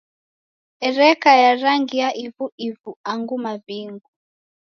Ereka ya rangi ya ivu ivu angu maw'ingu.